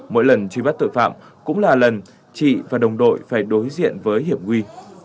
mỗi lần truy bắt tội phạm cũng là lần chị và đồng đội phải đối diện với hiểm nguy